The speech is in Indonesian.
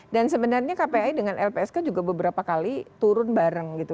dan sebenarnya kpi dengan lpsk juga beberapa kali turun bareng gitu